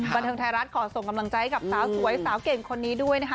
บันเทิงไทยรัฐขอส่งกำลังใจกับสาวสวยสาวเก่งคนนี้ด้วยนะคะ